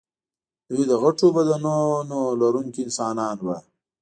دوی د غټو بدنونو لرونکي انسانان وو.